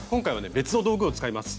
別の道具を使います。